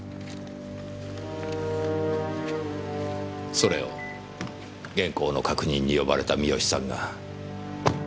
それを原稿の確認に呼ばれた三好さんが見てしまった。